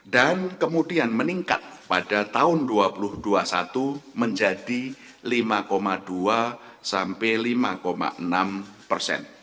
dan kemudian meningkat pada tahun dua ribu dua puluh satu menjadi lima dua lima enam persen